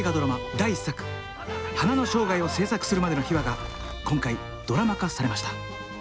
第１作「花の生涯」を制作するまでの秘話が今回ドラマ化されました。